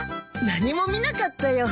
何も見なかったよ。